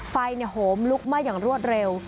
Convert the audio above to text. ไฟเนี่ยโหมลุกไหม้อย่างรวดเร็ว